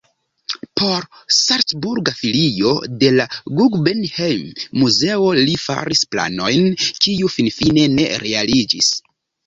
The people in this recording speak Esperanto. Por salcburga filio de la Guggenheim-muzeo li faris planojn, kiu finfine ne realiĝis.